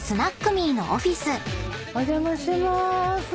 お邪魔しまーす。